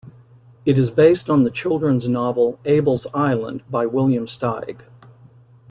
It is based on the children's novel "Abel's Island" by William Steig.